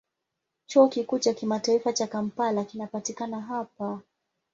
Chuo Kikuu cha Kimataifa cha Kampala kinapatikana hapa.